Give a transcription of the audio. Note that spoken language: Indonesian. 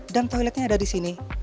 dan project disini